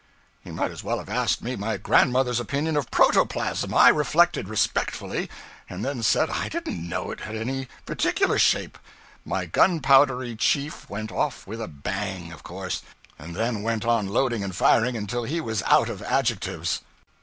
He might as well have asked me my grandmother's opinion of protoplasm. I reflected respectfully, and then said I didn't know it had any particular shape. My gunpowdery chief went off with a bang, of course, and then went on loading and firing until he was out of adjectives.